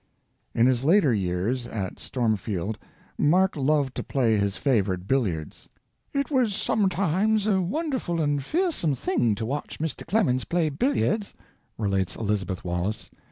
In his later years at Stormfield Mark loved to play his favorite billiards. "It was sometimes a wonderful and fearsome thing to watch Mr. Clemens play billiards," relates Elizabeth Wallace.